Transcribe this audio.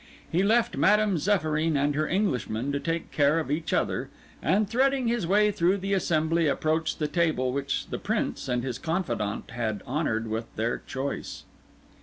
He left Madame Zéphyrine and her Englishman to take care of each other, and threading his way through the assembly, approached the table which the Prince and his confidant had honoured with their choice.